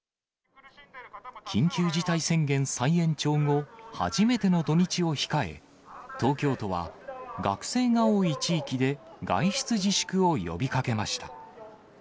緊急事態宣言再延長後、初めての土日を控え、東京都は学生が多い地域で外出自粛を呼びかけました。